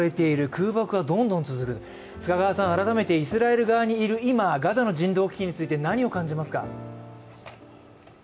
空爆はどんどん続く、改めてイスラエル側にいる今、ガザの人道危機について何を感じますか？